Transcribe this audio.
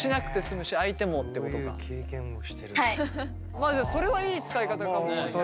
まあそれはいい使い方かもしれないね。